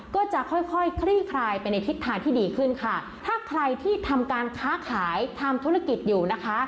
ก็จะค่อยค่อยคลี่คลายไปในทิศทางที่ดีขึ้นค่ะถ้าใครที่ทำการค้าขายทำธุรกิจอยู่นะคะ